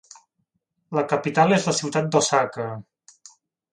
La capital és la ciutat d'Osaka.